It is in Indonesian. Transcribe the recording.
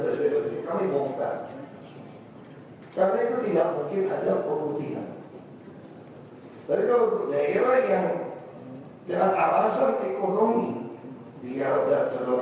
hai karena itu tidak mungkin ada perubahan hai berikutnya yang dengan alasan ekonomi biar